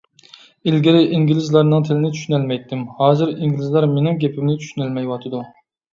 ئىلگىرى ئىنگلىزلارنىڭ تىلىنى چۈشىنەلمەيتتىم، ھازىر ئىنگلىزلار مېنىڭ گېپىمنى چۈشىنەلمەيۋاتىدۇ.